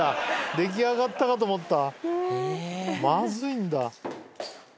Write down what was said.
出来上がったかと思った。